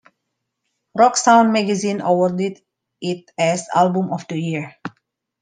Rock Sound Magazine awarded it as "Album of the Year".